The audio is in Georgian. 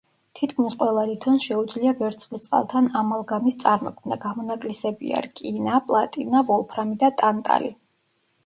თითქმის ყველა ლითონს შეუძლია ვერცხლისწყალთან ამალგამის წარმოქმნა, გამონაკლისებია რკინა, პლატინა, ვოლფრამი და ტანტალი.